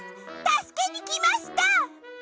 たすけにきました！